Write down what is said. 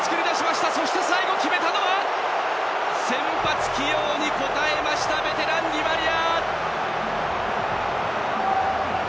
そして最後、決めたのは先発起用に応えましたベテラン、ディマリア！